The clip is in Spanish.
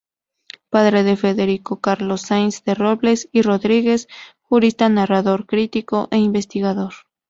Padre de Federico Carlos Sainz de Robles y Rodríguez, jurista, narrador, crítico e investigador.